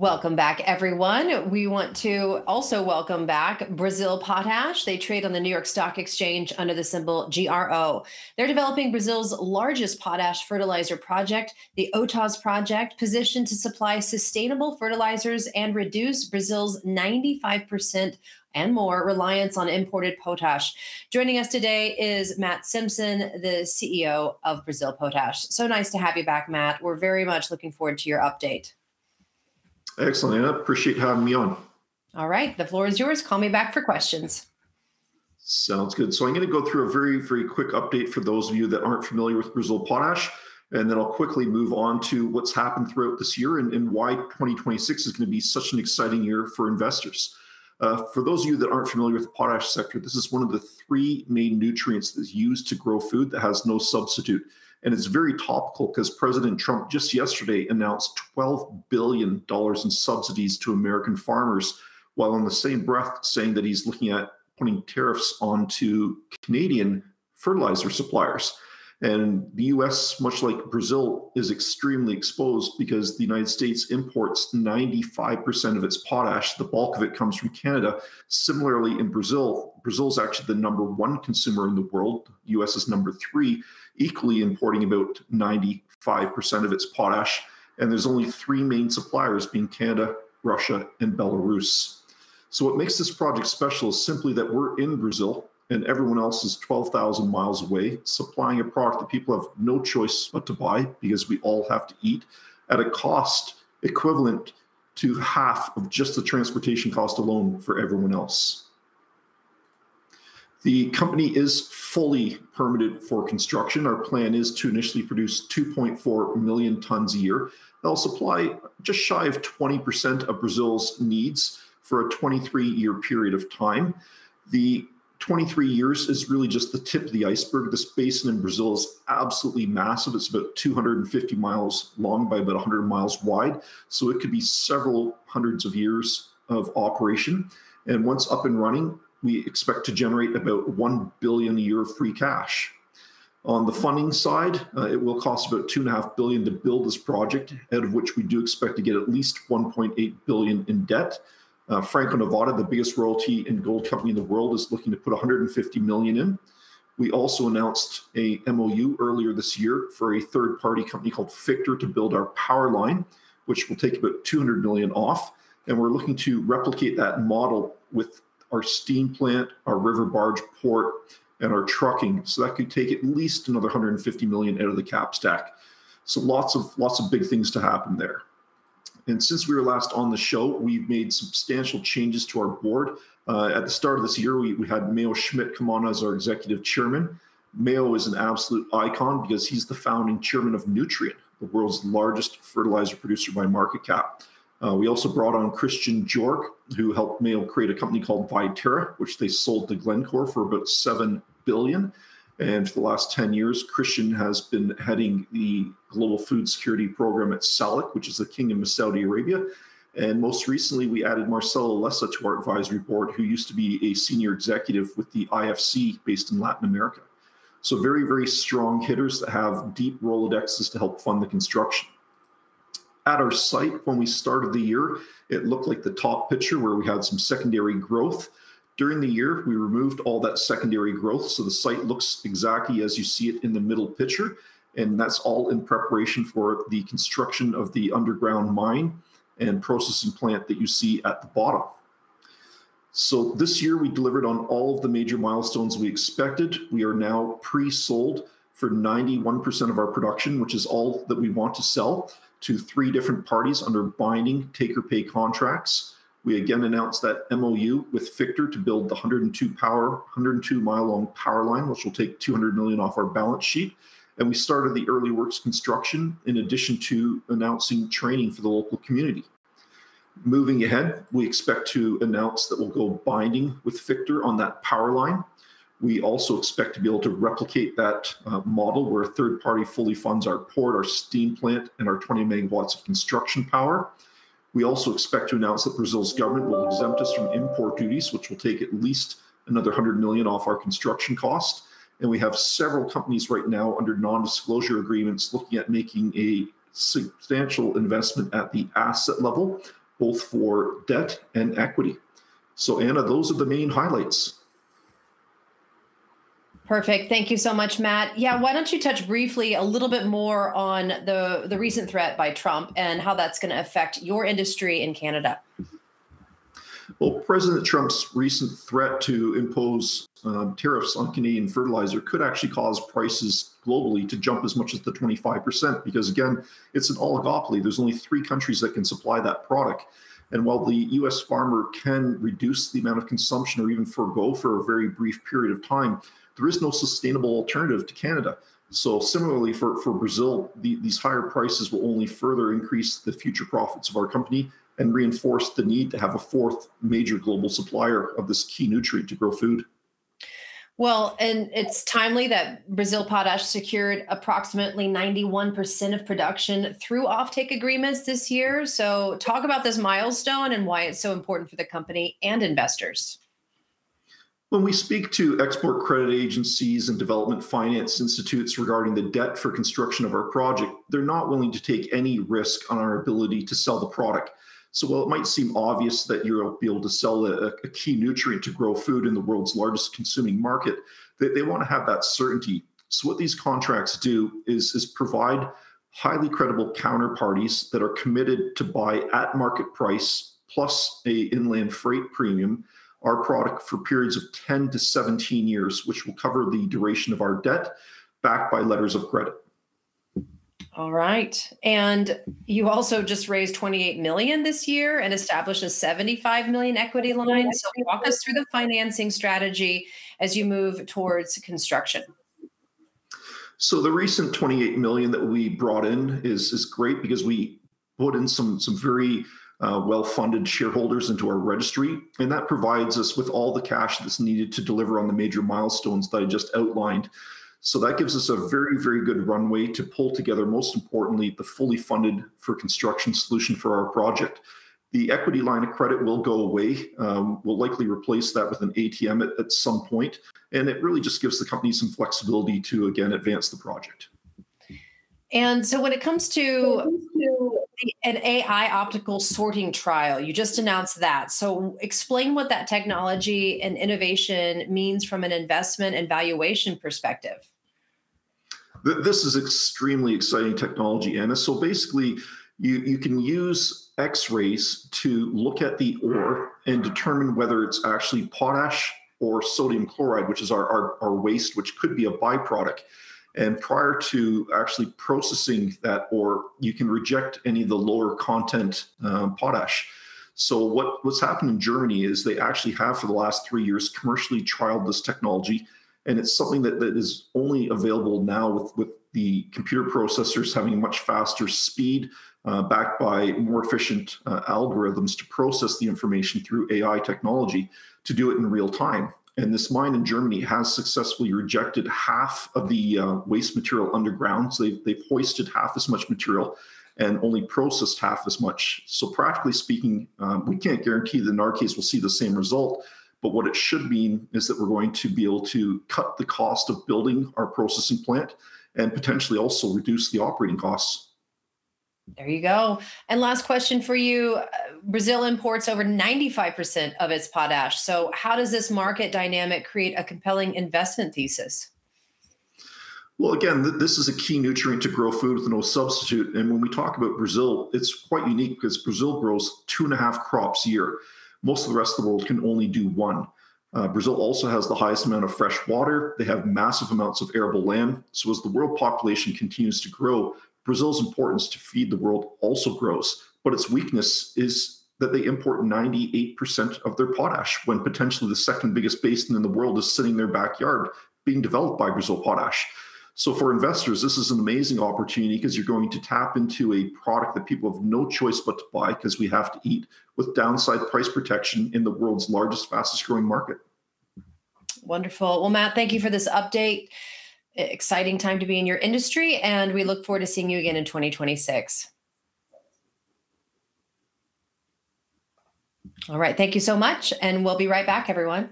Welcome back, everyone. We want to also welcome back Brazil Potash. They trade on the New York Stock Exchange under the symbol GRO. They're developing Brazil's largest potash fertilizer project, the Autazes Project, positioned to supply sustainable fertilizers and reduce Brazil's 95% and more reliance on imported potash. Joining us today is Matt Simpson, the CEO of Brazil Potash. So nice to have you back, Matt. We're very much looking forward to your update. Excellent. And I appreciate having me on. All right. The floor is yours. Call me back for questions. Sounds good. So I'm going to go through a very, very quick update for those of you that aren't familiar with Brazil Potash, and then I'll quickly move on to what's happened throughout this year and why 2026 is going to be such an exciting year for investors. For those of you that aren't familiar with the potash sector, this is one of the three main nutrients that is used to grow food that has no substitute. And it's very topical because President Trump just yesterday announced $12 billion in subsidies to American farmers, while on the same breath saying that he's looking at putting tariffs onto Canadian fertilizer suppliers. And the U.S., much like Brazil, is extremely exposed because the United States imports 95% of its potash. The bulk of it comes from Canada. Similarly, in Brazil, Brazil is actually the number one consumer in the world. The U.S. is number three, equally importing about 95% of its potash. And there's only three main suppliers, being Canada, Russia, and Belarus. So what makes this project special is simply that we're in Brazil and everyone else is 12,000 miles away, supplying a product that people have no choice but to buy because we all have to eat at a cost equivalent to half of just the transportation cost alone for everyone else. The company is fully permitted for construction. Our plan is to initially produce 2.4 million tons a year. They'll supply just shy of 20% of Brazil's needs for a 23-year period of time. The 23 years is really just the tip of the iceberg. This basin in Brazil is absolutely massive. It's about 250 miles long by about 100 miles wide. So it could be several hundreds of years of operation. And once up and running, we expect to generate about $1 billion a year of free cash. On the funding side, it will cost about $2.5 billion to build this project, out of which we do expect to get at least $1.8 billion in debt. Franco-Nevada, the biggest royalty and gold company in the world, is looking to put $150 million in. We also announced an MOU earlier this year for a third-party company called Fictor to build our power line, which will take about $200 million off. And we're looking to replicate that model with our steam plant, our river barge port, and our trucking. So that could take at least another $150 million out of the cap stack. So lots of big things to happen there. And since we were last on the show, we've made substantial changes to our board. At the start of this year, we had Mayo Schmidt come on as our executive chairman. Mayo is an absolute icon because he's the founding chairman of Nutrien, the world's largest fertilizer producer by market cap. We also brought on Christian Jörg, who helped Mayo create a company called Viterra, which they sold to Glencore for about $7 billion. And for the last 10 years, Christian has been heading the global food security program at SALIC, which is the Kingdom of Saudi Arabia. And most recently, we added Marcelo Lessa to our advisory board, who used to be a senior executive with the IFC based in Latin America. So very, very strong hitters that have deep Rolodexes to help fund the construction. At our site, when we started the year, it looked like the top picture where we had some secondary growth. During the year, we removed all that secondary growth. So the site looks exactly as you see it in the middle picture. And that's all in preparation for the construction of the underground mine and processing plant that you see at the bottom. So this year, we delivered on all of the major milestones we expected. We are now pre-sold for 91% of our production, which is all that we want to sell, to three different parties under binding take-or-pay contracts. We again announced that MOU with Fictor to build the 102-mile-long power line, which will take $200 million off our balance sheet. And we started the early works construction in addition to announcing training for the local community. Moving ahead, we expect to announce that we'll go binding with Fictor on that power line. We also expect to be able to replicate that model where a third party fully funds our port, our steam plant, and our 20 megawatts of construction power. We also expect to announce that Brazil's government will exempt us from import duties, which will take at least another $100 million off our construction cost. And we have several companies right now under non-disclosure agreements looking at making a substantial investment at the asset level, both for debt and equity. So, Anna, those are the main highlights. Perfect. Thank you so much, Matt. Yeah, why don't you touch briefly a little bit more on the recent threat by Trump and how that's going to affect your industry in Canada? President Trump's recent threat to impose tariffs on Canadian fertilizer could actually cause prices globally to jump as much as 25% because, again, it's an oligopoly. There's only three countries that can supply that product. While the U.S. farmer can reduce the amount of consumption or even forgo for a very brief period of time, there is no sustainable alternative to Canada. Similarly, for Brazil, these higher prices will only further increase the future profits of our company and reinforce the need to have a fourth major global supplier of this key nutrient to grow food. It's timely that Brazil Potash secured approximately 91% of production through offtake agreements this year. Talk about this milestone and why it's so important for the company and investors. When we speak to export credit agencies and development finance institutes regarding the debt for construction of our project, they're not willing to take any risk on our ability to sell the product. So while it might seem obvious that you'll be able to sell a key nutrient to grow food in the world's largest consuming market, they want to have that certainty. So what these contracts do is provide highly credible counterparties that are committed to buy at market price plus an inland freight premium our product for periods of 10-17 years, which will cover the duration of our debt backed by letters of credit. All right. And you also just raised $28 million this year and established a $75 million equity line. So walk us through the financing strategy as you move towards construction. So the recent $28 million that we brought in is great because we put in some very well-funded shareholders into our registry. And that provides us with all the cash that's needed to deliver on the major milestones that I just outlined. So that gives us a very, very good runway to pull together, most importantly, the fully funded for construction solution for our project. The equity line of credit will go away. We'll likely replace that with an ATM at some point. And it really just gives the company some flexibility to, again, advance the project. And so when it comes to an AI optical sorting trial, you just announced that. So explain what that technology and innovation means from an investment and valuation perspective. This is extremely exciting technology, Anna, so basically, you can use X-rays to look at the ore and determine whether it's actually potash or sodium chloride, which is our waste, which could be a byproduct, and prior to actually processing that ore, you can reject any of the lower content potash, so what's happened in Germany is they actually have, for the last three years, commercially trialed this technology, and it's something that is only available now with the computer processors having a much faster speed backed by more efficient algorithms to process the information through AI technology to do it in real time, and this mine in Germany has successfully rejected half of the waste material underground, so they've hoisted half as much material and only processed half as much, so practically speaking, we can't guarantee that in our case we'll see the same result. But what it should mean is that we're going to be able to cut the cost of building our processing plant and potentially also reduce the operating costs. There you go. And last question for you. Brazil imports over 95% of its potash. So how does this market dynamic create a compelling investment thesis? Again, this is a key nutrient to grow food with no substitute. When we talk about Brazil, it's quite unique because Brazil grows two and a half crops a year. Most of the rest of the world can only do one. Brazil also has the highest amount of fresh water. They have massive amounts of arable land. As the world population continues to grow, Brazil's importance to feed the world also grows. Its weakness is that they import 98% of their potash when potentially the second biggest basin in the world is sitting in their backyard being developed by Brazil Potash. For investors, this is an amazing opportunity because you're going to tap into a product that people have no choice but to buy because we have to eat, with downside price protection in the world's largest, fastest growing market. Wonderful. Well, Matt, thank you for this update. Exciting time to be in your industry. And we look forward to seeing you again in 2026. All right. Thank you so much. And we'll be right back, everyone.